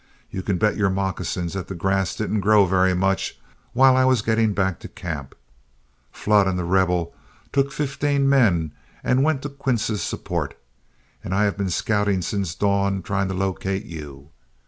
You can bet your moccasins that the grass didn't grow very much while I was getting back to camp. Flood and The Rebel took fifteen men and went to Quince's support, and I have been scouting since dawn trying to locate you.